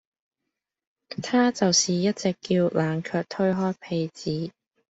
她就是一直叫冷卻推開被子